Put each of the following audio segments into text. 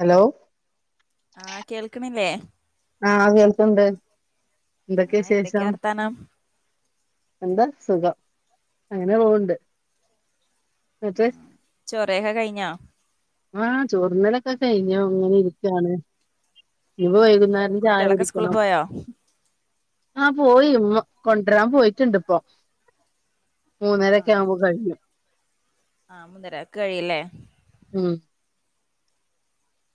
Hello ആഹ് കേൾക്കണില്ലേ ആഹ് കേൾക്കണ്ട് എന്തൊക്കെയാ ആഹ് വിശേഷം വർത്താനം എന്താ സുഖം അങ്ങനെ പോവുണ്ട് ചൊറേക്കെ കഴിഞ്ഞാ ആഹ് ചോറിന്നിടക്കെ കഴിഞ്ഞു അങ്ങനെ ഇരിക്കുവാണ് ഇപ്പോ വൈകുന്നേരം ചായ കുട്ടികളൊക്കെ സ്കൂളിൽ കുടിക്കണം പോയോ ആഹ് പോയി കൊണ്ട്വരാൻ പോയിട്ടുണ്ട് ഇപ്പോ മൂന്നെരേക്കെ ആവുമ്പോ കഴിഞ്ഞു ആഹ് മുന്നര കഴിയില്ലേ ഉം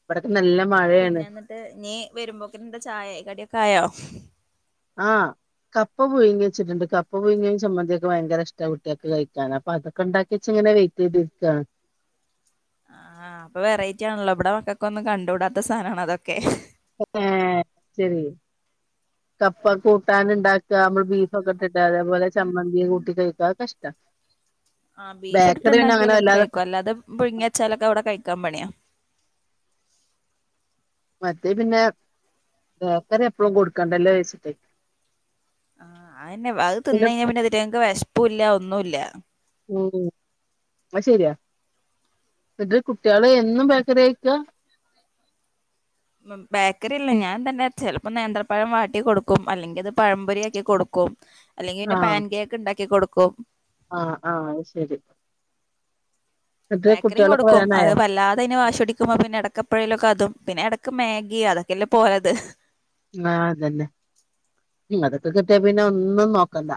ഇവിടൊക്കെ നല്ല പിന്നെ മഴയാണ് എന്നിട്ട് നീ വരുമ്പോക്കെ എന്താ ചായേ കടിയൊക്ക ആയോ ആഹ് കപ്പ പുഴങ്ങി വച്ചിട്ടുണ്ട് കപ്പ പുഴുങ്ങിയും ചമ്മന്തിയൊക്ക ഭയങ്ക ഇഷ്ട കുട്ടിയേക്ക് കഴിക്കാൻ അപ്പ അതൊക്ക ഉണ്ടാക്കിവെച്ചേ അങ്ങനെ വെയിറ്റെയ്ത് ഇരിക്കാണ് ആ അപ്പൊ വെറൈറ്റി ആണല്ലോ ഇവിടെ മക്കക്കൊന്നും കണ്ടൂടാത്ത സാധനമാണ് അതൊക്കെ ശെരി കപ്പ കൂട്ടാനിണ്ടാക്കാ നമ്മള് ബീഫൊക്കെ ഇട്ടിട്ട് അതേപോലെ ചമ്മന്തിയും കൂട്ടി കഴിക്കാൻ ഒക്കെ ഇഷ്ടാ ആഹ് ബീഫ് ഇട്ടിട്ട് ബേക്കറി പിന്നെ അങ്ങനെ ഇണ്ടാക്കിയാലൊക്കെ വല്ലാതെ കഴിക്കുംഅല്ലാതെ പുഴുങ്ങി വെച്ചാലൊക്കെ അവിടെ കഴിക്കാൻ മണിയാ മറ്റേ പിന്നെ ബേക്കറി എപ്പളും കൊടുക്കണ്ടല്ലോ വെച്ചിട്ടേ ആ അയെന്നെ അത് തിന്നെഴിഞ്ഞാ പിന്നെ തെങ്ങക്ക് വെശ്പ്പുല്ലാ ഒന്നുല്ല ഉം അത്ശരിയാ എന്റെ കുട്ടികള് എന്നും ബേക്കറി ഐറ്റാ ബേക്കറില്ലേ ഞാൻ തന്നെ ചിലപ്പോ നേന്ത്രപ്പഴം വാട്ടി കൊടുക്കും അല്ലെങ്കിലത് പഴംപൊരിയാക്കി കൊടുക്കും കൊം അല്ലെങ്കി പിന്നെ ആഹ് പറൻ കേക്കിണ്ടാക്കി കൊടുക്കും ആഹ് ആഹ് അത്ശരി ബേക്കറീം കൊടുക്കും അത് വല്ലാതെ അയിന് വാശി പിടിക്കുമ്പോ പിന്നെഎടക്കപ്പഴേലുമൊക്ക അതും പിന്നെയെടക്ക് മ്യാഗി അതൊക്കെ അല്ലേ പോയത് ആ അതന്നെ അതൊക്കെ കിട്ടിയ പിന്നെ ഒന്നും നോക്കണ്ട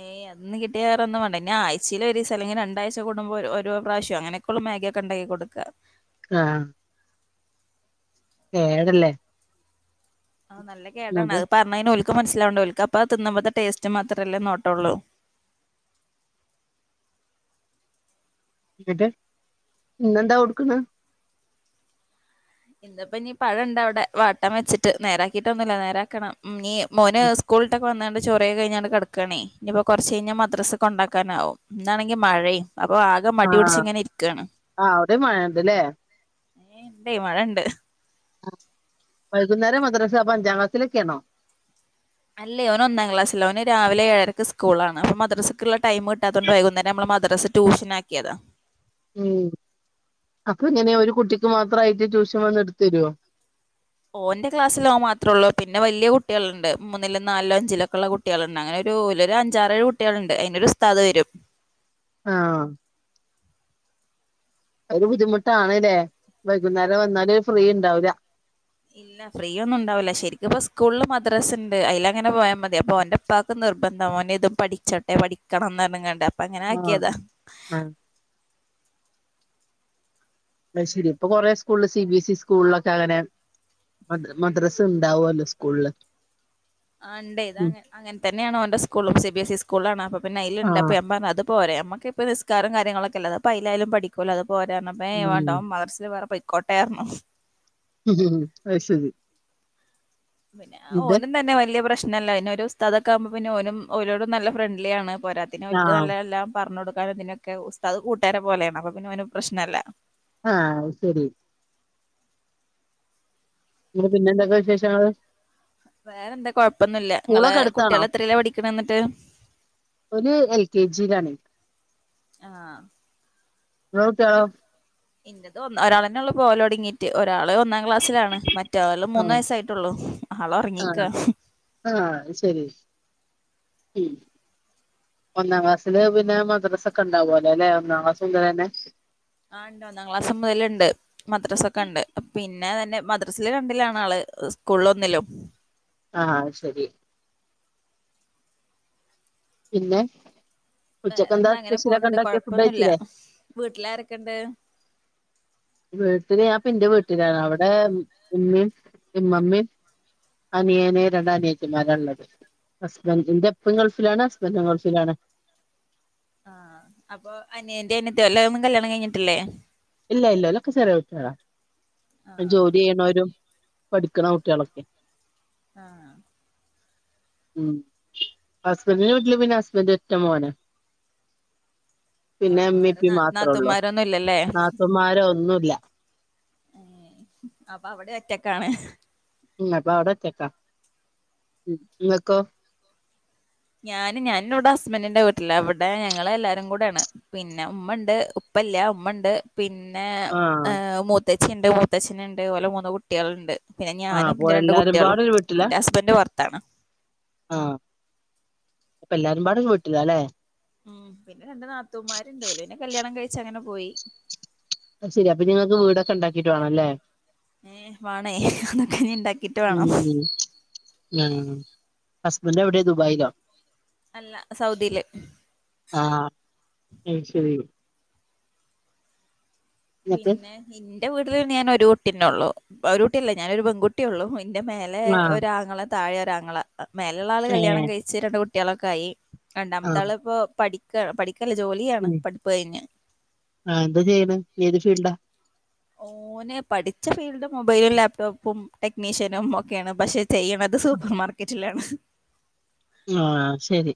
ഏ അന്ന് കിട്ടിയാ വേറൊന്നും വേണ്ട ന്നാ ആഴ്ച്ചേല് ഒരൂസം അല്ലെങ്കിൽ രണ്ടാഴ്ച കൂടുമ്പോ ഒരു ഒരു പ്രാവശ്യം അങ്ങനെക്കൊ ള്ളു മ്യാഗിയൊക്കെ ഇണ്ടാക്കി കൊടുക്കാ ആഹ് ഏടല്ലേ ആ നല്ല കേടാണ് അത് പറഞ്ഞെഴിഞ്ഞാ ഒല് ക്ക് മനസ്സിലാവണ്ട ഓൽക്ക് അപ്പൊ തിന്നമ്പത്തെ ടേസ്റ്റ് മാത്രല്ലേ നോട്ടൊള്ളൂ എന്നിട്ട് ഇന്നെന്താ കൊടുക്കുന്നേ ഇന്തപ്പ ഇനീ പഴോണ്ട് അവിടെ വാട്ടം വെച്ചിട്ട് നേരാക്കിട്ട് ഒന്നുമില്ല നേരാക്കണം ഇനീം മോന് സ്കൂൾട്ടക്ക വന്നാല് ചൊർ കഴിഞ്ഞാണ് കെടക്കണേ ഇനിയിപ്പൊ കൊറച്ച് കഴിഞ്ഞാൽ മദ്രസ് കൊണ്ടാക്കാനാവും ഇന്നാണെങ്കി മഴയും അപ്പൊ ആകെ മടിപിടിച്ച് ആഹ് ഇങ്ങനെ ഇരിക്കാണ് ആഹ് അവിടെയും മഴയുണ്ടല്ലേ ഏയ് ഇണ്ടേ മഴ ഇണ്ട് വൈകുന്നേരം മദ്രസ്സാ അപ്പൊ അഞ്ചാം ക്ലാസിലൊക്കെ ആണോ അല്ലേ ഓന് ഒന്നാം ക്ലാസ്സില് ഓന് രാവിലെ ഏഴരക്ക് സ്കൂളാണ്ണ് അപ്പം മദ്രസക്കുള്ള ടൈം കിട്ടാത്തൊണ്ട് വൈകുന്നേരം നമ്മൾ മദ്രസ ട്യൂഷനാക്കിയതാ ഉം അപ്പൊ ഇങ്ങനെ ഒരു കുട്ടിക്ക് മാത്രയിട്ട് ട്യൂഷൻ വന്ന് എടുത്ത് ത രോ ഓന്റെ ക്ലാസ്സ് ഓൻ മാത്രേ ഉള്ളു പിന്നെ വലിയ കുട്ടികളിണ്ട് മൂന്നിലും നാലിലോ അഞ്ചിലൊക്കെ ഉള്ള കുട്ടികള്ന്നങ്ങനെ രൂലരു അഞ്ചാറേഴ് കുട്ടികളുണ്ട് അയിനൊരു ഉസ്താത് വരും ആഹ് ഒരു ബുദ്ധിമുട്ടാണല്ലേ വൈകുന്നേരം വന്നാല് ഫ്രീ ഉണ്ടാവില്ല ഇല്ല ഫ്രീയൊന്നും ഒണ്ടാവില്ല ശരിക്കു ഇപ്പൊ സ്കൂളില് മദ്രസ്സ ഉണ്ട് അയിലങ്ങന പോയാ മതി അപ്പൊ അവന്റെ ഉപ്പാക്ക്ന്ന് നിർബന്ധം മോനെ ഇതും പഠിച്ചോട്ടെ പഠിക്കണംന്ന് ന്ന്ങ്ങാണ്ട് അപ്പ അങ്ങനെ ആഹ് ആക്കിയതാ ആഹ് അത് ശെരി ഇപ്പൊ കൊറേ സ്കൂളില് സി ബി എസ് ഇ സ്കൂളിലൊക്കെ അങ്ങനെ മദ്ര മദ്രസ ഉണ്ടാവല്ലോ സ്കൂളില് ആ ഇണ്ട് ഉം ഇതങ്ങ അങ്ങന തന്നെയാണ് ഓന്റെ സ്കൂള്‌ലും സി ബി എസ്‌ സി സ്കൂളിലാണ് അപ്പപിന്നെ അയില്ണ്ട് ആഹ് അപ്പ അതും പോരെ നമ്മക്ക് ഇപ്പ നിസ്കാരം കാര്യങ്ങളൊക്കെ ല്ലേ അത് ഇപ്പ അയിലായാലും പഠിക്കുഅല്ലേ അത് പോരാണപ്പേയ് ഉം വേണ്ടോ മദർ സേൽ വേറെ പ കോട്ടയാർന്നു മ്‌ മ് മ് അത് ശെരി പിന്നെ ഓനും തന്നെ വലിയ പ്രശ്നല്ല എന്നെ ഒരു ഉസ്താദൊക്കെ ആവുമ്പ പിന്നെ ഓനും ഓരോടും നല്ല ഫ്രണ്ട്ലി ആണ് പോരാത്തിന് അവൻക്ക് ആഹ് നല്ല എല്ലാം പറഞ്ഞ് കൊട്ക്കാനും നിന്നൊക്കെ ഉസ്താദ് കൂട്ടുകാര പോലെയാണ് അപ്പൊ പിന്നെ അവന് പ്രശ്നം അല്ല ആഹ് ശെരി പിന്നെ പിന്നെന്തക്ക വിശേഷങ്ങള് വേറെ എന്താ കൊഴപ്പൊന്നുല്ല നിങ്ങളെ സ്കൂളൊക്കെ അടുത്താണോ കുട്ടികള് എത്രേലാ പഠിക്കണ എന്നിട്ട് ഒരു എൽ കെ ജി ആഹ് ഇങ്ങളെ കുട്ടികളോ ഇപ് ഇന്നത് ഒന്ന് ഒരാളന്നെ ഒള്ളൂ പോലൊട്ങ്ങീറ്റ് ഓ ഒരാളള് ഒന്നാം ക്ലാസ്സിലാണ് മറ്റവള് മൂന്ന് ആഹ് വയസ്സായിട്ടുള്ളു ആള് ഒറങ്ങീക്ക ആ അത് ശെരി ഉം ഒന്നാം ക്ലാസ്സില് പിന്നെ മദ്‌രസ ഒക്കെ ഒണ്ടാ വോലേലെ അം ആ ഒന്നാം ക്ലാസ് മുതലന്നെ ആ ഉണ്ട് ഒന്നാം ക്ലാസ് മുതലുണ്ട് മദ്രസ്സ ഒക്കെ ഒണ്ട് പിന്നെ തന്നെ മദ്രാസേല് രണ്ടിലാണ് ആള് സ്കൂളൊന്നിലും ആ ശരി പിന്നെ ഉച്ചക്കെന്താ വേറെന്താ അങ്ങനെ സ്പെഷ്യലൊക്കെ പോണൊണ്ട് ഉണ്ടാക്കിയെ ഫുഡ് കൊഴപ്പൊന്നു ഇല്ല കഴിച്ചില്ലേ വീട്ടിലാരൊക്ക ഇണ്ട് വീട്ടില് ഞാഇപ്പ ന്റെ വീട്ടിലാണ് അവിടെ ഉമ്മീ ഇമ്മമ്മീ അനിയന് രണ്ട് അനിയത്തിമാരാള്ളത് ഹസ്ബൻ്റിൻ്റെ അപ്പൻ ഗൾഫിലാണ് ഹസ്ബൻ്റും ഗൾഫിലാണ് ആഹ് അപ്പൊ അനിയൻ്റേ അനത്തി ഒല്ലേ ഒന്നും കല്യാണം കഴിഞ്ഞിട്ടില്ലേ ഇല്ല ഇല്ല ഓലക്ക ചെറിയ കുട്ട്യോളാ. ആഹ് ജോലി യ്യണോരും പഠിക്കണ കുട്ടികളൊക്കെ ആഹ് ഉം ഹസ്ബൻ്റിന് വീട്ടില് പിന്നെ ഹസ്ബൻൻ്റ് ഒറ്റ മോനാ പിന്നെ ആഹ് അമ്മി വേറെ പ്പി നാ മാത്രേ ഒള്ളൂ നാത്തൂന്മാരൊന്നും ഇല്ലല്ലേ നാത്തൂൻമാര് ഒന്നു ഇല്ല ഏ അപ്പൊ അവിടെ ഒറ്റക്കാണ് ഉം അപ്പ അവിട ഒറ്റക്കാ. ഉം നിങ്ങക്കോ ഞാന് ഞാനിവ്ട ഹസ്ബൻ്റിന്റെ വീട്ടിലാ. ഇവ്ടെ ഞങ്ങള് എല്ലാരും കൂടെയാണ് പിന്നെ ഉമ്മ ഒണ്ട് ഉപ്പ് ഉപ്പ ഇല്ലാ ഉമ്മ ഒണ്ട് പിന്നെ ആഹ് മൂത്തച്ചി ഒണ്ട് മൂത്തശ്ശനുണ്ട് അത്പോല മൂന്ന് കുട്ടികൾ ഇണ്ട് പിന്നെ ആഹ് ഞാനും അപ്പൊ ന്റെ രണ്ട് എല്ലാരും കുട്ട്യാളും പാടെ ൻ്റെ ഹസ്ബൻൻ്റ് പൊറത്താണ് ആ അപ്പ എല്ലാരും പാടും വീട്ടിലാല്ലെ ഉം പിന്നെ രണ്ട് നാത്തൂമാരുണ്ടോല്. പിന്നെ കല്യാണം കഴിച്ചങ്ങന പോയി അത് ശെരി അപ്പൊനി നിങ്ങക്ക് വീടൊക്കെ ഒണ്ടാക്കീട്ട് വേണൊല്ലെ ഏ വാണേ അതൊക്കെ ഇനി ഇണ്ടാക്കിട്ട് വേണം ഹസ്ബെൻ്റ് എവിടെ ദുബായിലോ അല്ല സൗദീല് ആഹ് അത് ശെരി എന്നിട്ട് പിന്നെ ഇന്റെ വീട്ടില് ഞാൻ ഒരു കുട്ടിന്നെ ഒള്ളു ഒരു കുട്ടിയല്ലേ ഞാനൊരു പെൺകുട്ടിയേ ഒള്ളു എൻറെ മേലെ ആഹ് ഒരാങ്ങള തായെ ഒരാങ്ങള മേലെയുള്ള ആളെ കല്യാണം ഏഹ് കഴിച്ച് രണ്ട് കുട്ടി കുട്ടികളൊക്കെ ആയി രണ്ടാമത്തെ ആഹ് ആള ഇപ്പൊ പഠിക്ക പഠിക്കല്ലേ ജോലിയാണ് പഠിപ്പു കഴിഞ്ഞ് ആ എന്താ ചെയ്യണ് ഏത് ഫീൽഡാ ഓനെ പഠിച്ച ഫീൽഡ് മൊബൈലും ലാപ്ടോപ്പും ടെക്നീഷ്യനും ഒക്കെയാണ് പക്ഷെ ചെയ്യണത് സൂപ്പർ മാർക്കറ്റിലാണ് ആ ശരി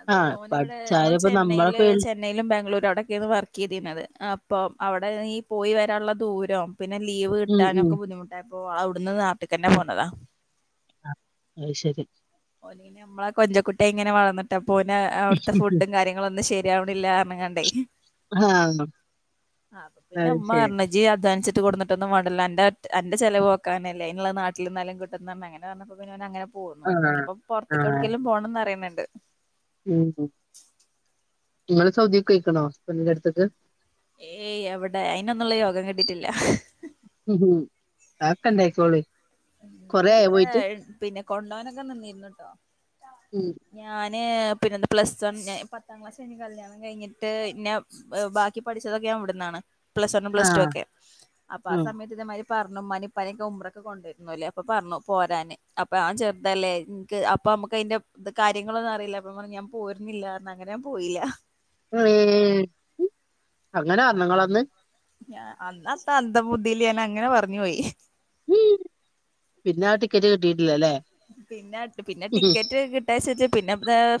അത് ആഹ് ഓൻ ഇവിടെ ഓൻ പഠിച്ചാലും ഇപ്പ നമ്മളെ ചെന്നൈയില് ഫീൽ ചെന്നൈയിലും ബാംഗ്ലൂർ അ അവിടെയൊക്കെയാണ് വർക്ക് ചെയ്തിരുന്നത് അപ്പോം അവിടെ ഈ പോയി വരാനുള്ള ദൂരം പിന്നെ ലീവ് ഉം ഉം കിട്ടാനൊക്കെ ബുദ്ധിമുട്ടായിപ്പോ അവിടുന്ന് നാട്ടിൽ തന്നെ പോന്നതാ അയ് ശരി ഓ നമ്മളെ കൊചകുട്ടെ ഇങ്ങനെ വളർന്നട്ട് അപ്പോനെ അവിടുത്തെ ഫുഡും കാര്യങ്ങളും ഒന്ന് ശരി ആവുന്നില്ല പറഞ്ഞാണ്ടേ ആഹ് അപ്പോ അത് ഉമ്മ ശരി പറഞ്ഞു ഇജി അധ്വാനിച്ചി കൊടുന്നട്ടൊന്നും വേണ്ടല്ലോ അന്റെ അന്റെ ചിലവ നോക്കാനല്ല അയിനുള്ള നാട്ടിൽ നിന്നാലും കിട്ടുന്ന അങ്ങനെ പറഞു പോന്നു ആഹ് ഇനിയിപ്പോ പുറത്തൊക്കെ ആഹ് എവിടക്കലും പോണംന്ന് അറിയുന്നുണ്ട് ഉം ഉം നിങ്ങല സൗദി ക്ക് പോയിക്കണോ ഹസ്ബൻഡിന്റെ അടുത്തേക്ക് ഏയ് അവിടെ അയിനൊന്നുള്ള യോഗം കെട്ടിട്ടില്ല ഉം ഉം അതൊക്കെ ഉണ്ടായിക്കൊള്ളും ല്ല ഇവിടെ പിന്നെ കൊണ്ടോനൊക്കെ നിന്നിരുന്നട്ടോ ഉം ഞാന് പിന്നെത് പ്ലസ് വൺ പത്താം ക്ലാസ് കഴ കല്യാണം കഴിഞ്ഞിട്ട് ഇന്നെ ബാക്കി പഠിച്ചതൊക്ക ഞൻവിടന്നാണ് പ്ലസ് വണ്ൺ പ്ലസ് ടു ആഹ് ഒക്കെ അപ്പൊ ആ ഉം സമയത്ത് ഇതേമാതിരി പറഞ്ഞു ഉമ്മാനി ഇപ്പനൊക്കെ ഉമ്മറൊക്കെ കൊണ്ട് ല്ലേ അപ്പൊ പറഞ്ഞു പോരാന് അപ്പൊ ആൻ ചെറുതല്ലേ നിനിക്ക് അപ്പൊ നമുക്ക് അതിന്റെ ഇത് കാര്യങ്ങളൊന്നും അറിയില്ല അപ്പൊ പിന്നെ ഞാൻ പറഞ്ഞു പോര്ന്നില്ല അങ്ങനെ ഞാൻ പോയില്ല [unintelligible] അങ്ങനെ പറഞ്ഞോ ങൾ അന്ന് ഞ അന്നാത്തെ അധ ബുദ്ധിയില് ഞാൻ അങ്ങനെ പറഞ് പോയി ഉം പിന്നെ ആ ടിക്കറ്റ് കിട്ടിയിട്ടില്ലല്ലേ പിന്നെ പിന്നെ ടിക്കറ്റ് കിട്ടാ ശച്ച പിന്നെ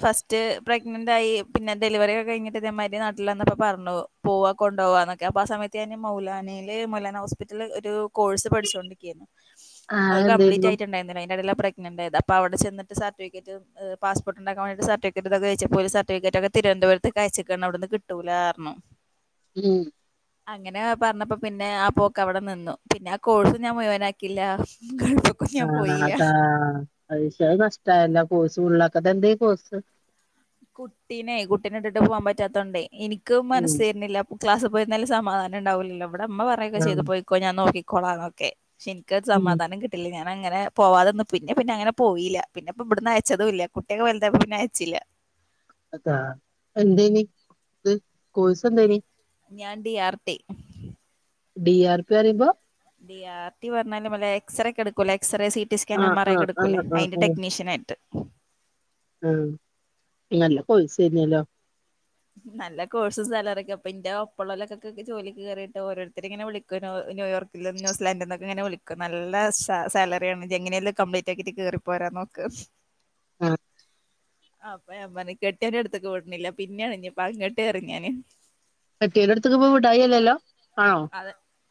ഫസ്റ്റ് പ്രഗ്നന്റ് ആയി പിന്നെ ഡെലിവറി ഒക്കെ കഴിഞ്ഞിട്ട് അതേമാതിരി നാട്ടിൽന്നപ്പോ പറഞ്ഞു പോ പോവാ കൊണ്ട പോവാന്നൊക്കെ അപ്പൊ ആ സമയത്ത് ഞാാന് മൗലാനയില് മലാന ഹോസ്പിറ്റലില് ഒരു കോഴ്സ് പഠിച്ചുകൊണ്ടിരികെനി ആഹ് അത് കംപ്ലീറ്റ് അതെന്തായിരുന്നു ആയിട്ടുണ്ടായിരുന്നു അന്റെഇടയില പ്രഗ് ന്റ് ആയത് അപ്പ അവിടെ ചിട്ട സർട്ടിഫറ്റ് പാസ് പോർട്ട് ഉണ്ടാക്കാൻവേണ്ട് സർട്ടഫിക്കറ്റ്ക്കെച്ച സർട്ടഫിക്കറ്റ്ക്കെ തിവന്തപു കഴിച്ച് ക്നു അവിടന്ന് കിട്ടൂല ഉം അങ്ങനെ പറഞ്ഞപ്പോ പിന്നെ ആ പോക്കെ അവിടെ നിന്നു പിന്നെ ആ കോഴ്സ് ഞാൻ മുഴുവനാകില്ല ആ അതാ അയിഷ് അത് നഷ്ടായല്ലോ കോഴ്സ് ഫുള്ളാകാതെ എന്ത ഈ കോഴ്സ് കുട്ടിനെ കുട്ടിനെ ഇട്ടിട്ട് പോകാൻ പറ്റാത്തോണ്ടേ എനിക്ക് ഉം മനസ്സ് വരുന്നില്ല ക്ലാസ് പോയിരുന്നാലും സമാധാനം ഉണ്ടാവില്ലോ ഇവിടെമ്മ പറയൊക്കെ ചെയ്ത് ആഹ് പോയിക്കോ ഞാൻ നോക്കിക്കോളാം ഒക്കെ ശെരിക്കരു ഉം സമാധാനം കിട്ടില്ല ഞാൻ പിന്നെ അങ്ങനെ പോവാതെ നിന്നു പിന്നെ പിന്നെ അങ്ങനെ പോയീല പിന്നെ പ്പോ ഇവിടുന്ന് അയച്ചതും ഇല്ല കുട്ടിയൊക്കെ വലുതായപ്പൊ പിന്നെ അയച്ചില്ല ആ [unintelligible] എന്തനി ഇത് കോഴ്സ് എന്തയ്നി ഞാൻ D R T D R P പറയുമ്പോ ഡി ആർ ടി പറഞ്ഞാല് മലേഎക്സറേ ഒക്കെ എടുക്കൂലേ എക്സ്റേ സിടി സ്കാൻ ആഹ് എം ആർ ആഹ് ആഹ് ഐക്കെടുക്കൂല്ലേ അതിന്റെ ടെക്നീഷ്യൻ ആയിട്ട് ആ നല്ല കോഴ്സേർന്നേലോ നല്ല കോഴ്സും സാലറിയൊക്കെ അപ്പ ഇന്റെ ഒപ്പള്ളലൊക്കൊക്കെ ജോലിക്ക് കേറീട്ട് ഓരോരുത്തര് ഇങ്ങനെ വിളിക്കു നോ ന്യൂയോർക്കിൽന്നും ന്യൂസിലാൻഡിനും ഇങ്ങെ വിളിക്കും നല്ല സാലറിയാണ് ഇജ്ജ് എങ്ങനെയെങ്കിലും കമ്പ്ലീറ്റ് ആക്കീട്ട് കേറി പോരാൻ നോക്ക് ആഹ് നോക്ക് അമ്മ [unintelligible] കെട്ടിയോന്റെ അടുത്തേക്ക് വിടുന്നില്ല പിന്നെ പിന്നെയാണ്പ്പ അങ്ങോട്ട് കയറും ഞാന് കെട്ടിയോന്റെടുത്ത്ക്ക്പ്പൊ [unintelligible] വിടായില്ലല്ലോ ആണോ അത്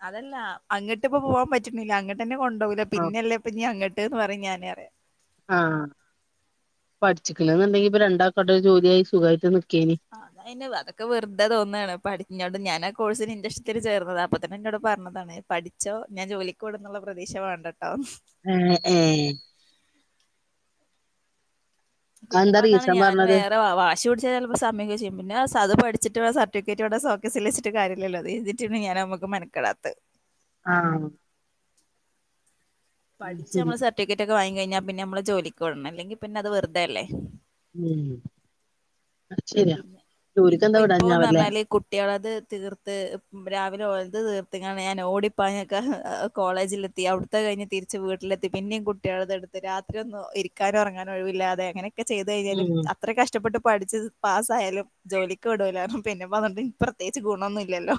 അതല്ല അങ്ങിട്ട് ഇപ്പൊ പോവാൻ പ റ്റുന്നില്ല അങ്ങട്ടന്നെ കൊണ്ടപോകില്ല ആഹ് പിന്നെല്ലേ ഇപ്പ ഇനി അങ്ങട്ന്ന് പറയും ഞാന് റിയാ ആപഠിച്ചിക്കണെന്നുണ്ടെങ്കി ഇപ്പ രണ്ടാക്കവിടെ ജോലിയായി സുഖായിട്ട നി അ അത അയിന് അതൊക്കെ വെറുതെ തോന്നാണ് പറഞ്ഞോണ്ട് ഞാനൊ കോഴ്സിന് ഇന്റശത്തിന് ചേർന്നത അപ്പ തന്നെ എന്നോട് പറഞ്ഞതാണ് പഠിച്ചോ ഞാൻ ജോലിക്കു വിടുന്നുള്ള പ്രതീക്ഷ വേണ്ടട്ടോ ഹെ ഏ അതെന്താ പിന്നിപ്പോ അതാണ് റീസൺ ഞാനും പറഞ്ഞത് വേറെ വാശി പിടിച്ചാ ചിലപ്പോ സമ്മയ്ക്കൊക്ക ചെയ്യും പിന്നെ അത് പഠിച്ച് [unintelligible] സർട്ടിഫിക്കറ്റ് ഇവിടെ സൊകേഴ്സിലുവച്ചിട്ട് കാര്യോല്ലല്ലോ അധെർതിട്ടെന്നെ ഞാനാമക്ക് മനക്കടാത്ത് ആ പഠിച്നമ്മള് സർട്ടിഫിക്കറ്റൊക്കെ വാങ്ങി കഴിഞ്ഞാ പിന്നെ നമ്മള് ജോലിക്ക് വിടണം അല്ലെങ്കി പിന്നെ അത് വെറുതെയല്ലേ ഉം ശരിയാ പിന്നെ പിന്നെപ്പോ ജോലിക്കെന്താ ഇപ്പൊന്ന് വിടാഞ്ഞാവല്ലേ പറഞ്ഞാല് കുട്ടികളത് തീർത്ത് രാവിലെ ഒലെ ത് തീർത്തിക്കാണ്ട് ഞാൻ ഓടിപ്പാഞ്ഞൊക്കെ കോളേജിലെത്തി അവിടുത്തെ കഴിഞ്ഞ് തിരി ച്ച് വീട്ടിലെത്തി പിന്നിം കുട്ടിളത് എടുത്ത് രാത്രി ഒന്നും ഇരിക്കാനും ഉറങ്ങാനും ഒഴിവില്ലാതെ അങ്ങനെക്കെ ചെ ചെയ്തു കഴിഞ്ഞാലും ഉം അത്ര കഷ്ടപ്പെട്ട് പഠിച്ചത് പാസ്സായാലും ജോലിക്ക് വിടൂല്ലാന്ന് റന്നു പിന്നെ അതുകൊണ്ട് പ്രത്യേകിച്ച് ഗുണമൊന്നുംല്ലല്ലോ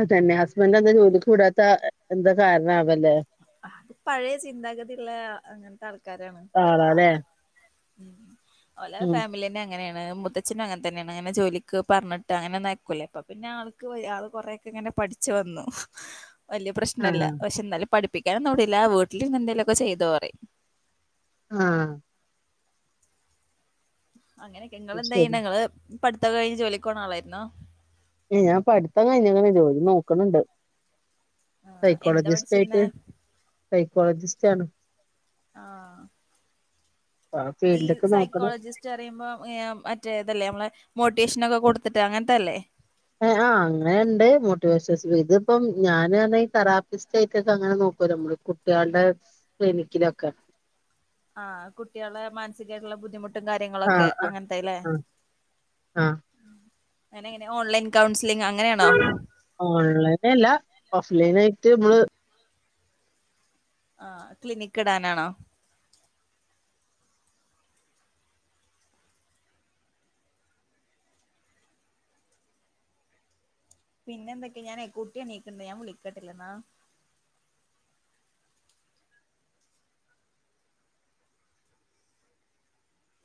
അതന്നെ ഹസ്ബൻറ് എന്താ ജോലിക്കു വിടാത്തെ എന്താ കാരണ ആവല്ലേ അത് പഴയ ചിന്താഗതിയുള്ള അങ്ങനത്തെ ആൾക്കാരാണ് ആളാല്ലേ ഓല ഉം ഫാമിലിന്നെ അങ്ങനെയാണ് മുത്തച്ഛനും അങ്ങന തന്നെയാണ് അങ്ങനെ ജോലിക്ക് പറഞ്ഞിട്ട് അങ്ങനെന്നും അയക്കുല ഇ പ്പ പിന്നെ ആൾക്ക് ആൾ കുറെക്കെ ഇങ്ങനെ പഠിച്ചു വന്നു വലിയ പ്രശ്നല്ല ആഹ് പക്ഷെ എന്നാലും പഠിപ്പിക്കാനൊന്നും വിടൂല വീട്ടിലിരുന്നു എന്തേലുമൊക്കെ ചെയ്തോപറയും ആ അങ്ങനെയൊക്കെ അത് നിങ്ങള് എന്താ ചെയ്യണേ ശരി നിങ്ങള് പഠിത്തമൊക്കെ കഴിഞ്ഞ് ജോലിക്ക് പോണ ആളായിരുന്നോ ഏ ഞാൻ പഠിത്തം കഴിന്നാകുന്നു ജോലി നോക്കണണ്ട് ആഹ് എന്താ സൈക്കോളജിസ്റ്റ് ആയിട്ട് പഠിച്ചിരുന്നേ സൈക്കോളജിസ്റ്റ് ആണ് ആ ആ ഈ ഫീൽഡ്ക്ക് നോക്കണം സൈക്കോളജിസ്റ്റ് പറിയുമ്പോ ഹെ മറ്റേ ഇതല്ലേ നമ്മളെ മോട്ടിവേഷനൊക്കെ കൊടുത്തിട്ട് അങ്ങനത്തല്ലേ അ അങ്ങനെയുണ്ട് മോട്ടിവേഷ സ് ൽ ഇതിപ്പം ഞാൻ പറഞ്ഞ ഇ തെറാപ്പിസ്റ്റ് ആയിട്ടക്കെ അങ്ങനെ നോക്കുല്ലോ നമ്മള് കുട്ടികളുടെ ക്ലിനിക്കിലൊക്കെ ആ കുട്ടികളെ മാനസികായിട്ടുള്ള ബുദ്ധിമുട്ട് ട്ടും കാര്യങ്ങളൊക്കെ ആഹ് ആഹ് അങ്ങനത്തെല്ലേ ആഹ് ആഹ് അങ്ങനെ ഇങ്ങനെ ഓൺലൈൻ കൌൺസി ഓൺലൈന അല്ല ഓഫ് ലൈൻ ആയിട്ട് നമ്മള് ആ ക്ലിനിക്ക് ഇടാനാണോ പിന്നെ എന്തൊക്കെയ ഞാനേ കുട്ടി എണീക്കണ്ട് ഞാൻ വിളിക്കട്ടില്ലെന്നാ